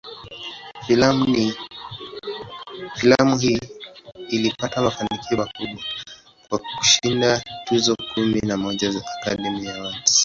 Filamu hii ilipata mafanikio makubwa, kwa kushinda tuzo kumi na moja za "Academy Awards".